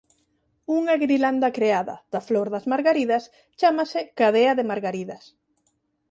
Unha grilanda creada da flor das margaridas chámase cadea de margaridas.